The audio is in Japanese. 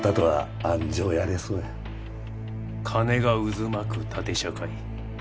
金が渦巻く縦社会。